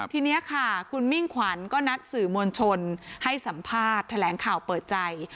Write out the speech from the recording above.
ทีนี้ค่ะคุณมิ่งขวัญก็นัดสื่อมวลชนให้สัมภาษณ์แถลงข่าวเปิดใจ